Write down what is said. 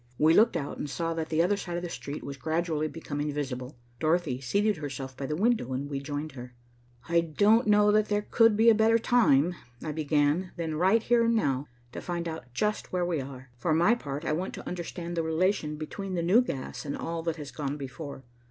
We looked out and saw that the other side of the street was gradually becoming visible. Dorothy seated herself by the window, and we joined her. "I don't know that there could be a better time," I began, "than right here and now, to find out just where we are. For my part, I want to understand the relation between the new gas and all that has gone before.